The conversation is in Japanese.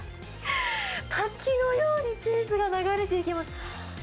滝のようにチーズが流れていきます。